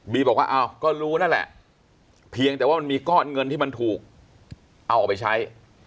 บอกว่าอ้าวก็รู้นั่นแหละเพียงแต่ว่ามันมีก้อนเงินที่มันถูกเอาออกไปใช้